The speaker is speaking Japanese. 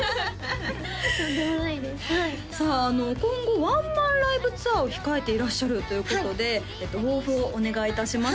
とんでもないですさあ今後ワンマンライブツアーを控えていらっしゃるということで抱負をお願いいたします